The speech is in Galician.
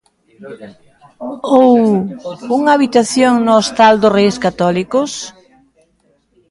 ¿Ou unha habitación no Hostal dos Reis Católicos?